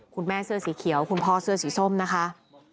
เสื้อสีเขียวคุณพ่อเสื้อสีส้มนะคะ